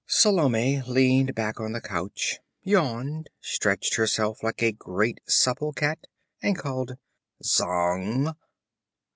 Salome leaned back on the couch, yawned, stretched herself like a great supple cat, and called: 'Zang!'